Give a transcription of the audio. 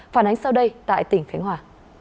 phản ánh sau đây tại tỉnh thánh hòa